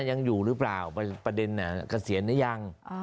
ยังอยู่หรือเปล่าประเด็นเกษียณหรือยัง